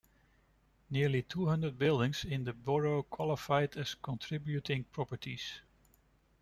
Nearly two hundred buildings in the borough qualified as contributing properties.